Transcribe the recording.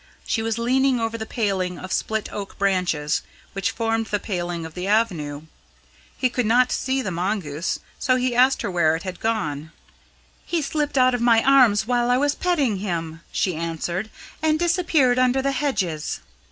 She was leaning over the paling of split oak branches which formed the paling of the avenue. He could not see the mongoose, so he asked her where it had gone. "He slipt out of my arms while I was petting him," she answered, "and disappeared under the hedges."